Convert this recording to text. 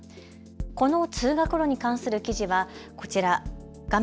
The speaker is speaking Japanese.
この通学路に関する記事はこちら画面